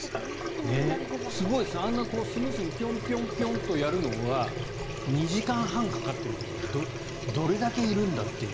すごいですね、あんなスムーズにピョンピョンピョンとやるのは２時間半かかってるんだからどれだけいるんだという。